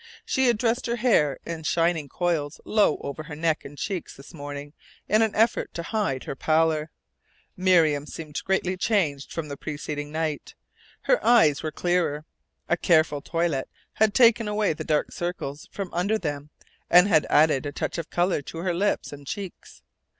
She had dressed her hair in shining coils low over her neck and cheeks this morning in an effort to hide her pallor. Miriam seemed greatly changed from the preceding night. Her eyes were clearer. A careful toilette had taken away the dark circles from under them and had added a touch of colour to her lips and cheeks.